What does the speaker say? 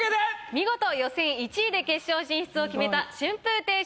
見事予選１位で決勝進出を決めた春風亭昇吉さん